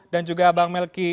dan juga bang melki